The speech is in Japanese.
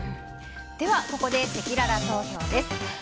ここでせきらら投票です。